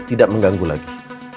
tidak mengganggu lagi